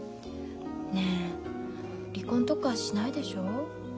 ねえ離婚とかしないでしょ？